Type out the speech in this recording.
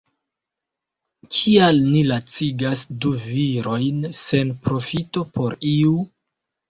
Kial ni lacigas du virojn sen profito por iu?